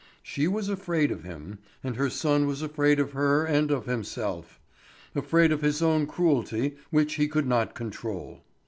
She was afraid of him, and her son was afraid of her and of himself; afraid of his own cruelty which he could not control.